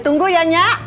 tunggu ya nyak